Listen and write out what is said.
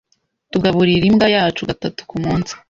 Tugaburira imbwa yacu gatatu kumunsi.